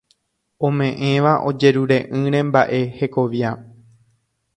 ome'ẽva ojejerure'ỹre mba'e hekovia